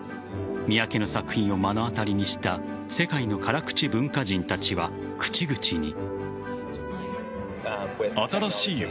三宅の作品を目の当たりにした世界の辛口文化人たちは口々に。